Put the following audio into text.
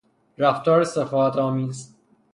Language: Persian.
رفتار سفاهت آمیز